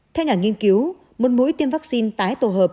theo nhà nghiên cứu một mũi tiêm vắc xin tái tổ hợp